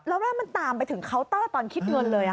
แล้วมันตามไปถึงเคาน์เตอร์ตอนคิดเงินเลย